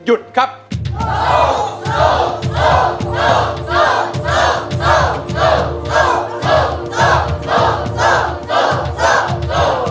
ร้องได้ให้ร้อง